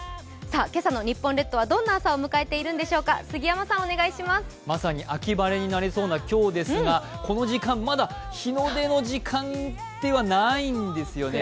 今朝の日本列島はどんな朝を迎えているんでしょうかまさに秋晴れになりそうな今日ですが、この時間まだ日の出の時間ではないんですよね。